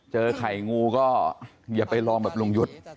ไข่งูก็อย่าไปลองแบบลุงยุทธ์